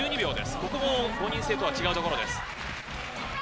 ここも５人制とは違うところです。